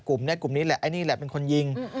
กลุ่มนี้กลุ่มนี้แหละไอ้นี่แหละเป็นคนยิง